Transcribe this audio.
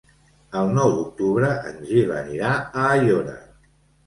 El nou d'octubre en Gil anirà a Aiora.